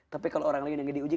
tapi kalau orang lain yang diuji